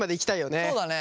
そうだね。